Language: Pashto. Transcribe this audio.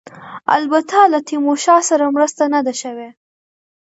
البته له تیمورشاه سره مرسته نه ده شوې.